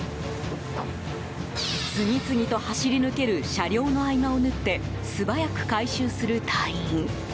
次々と走り抜ける車両の合間を縫って素早く回収する隊員。